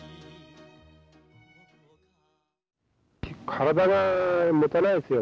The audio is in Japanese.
体がもたないですよ。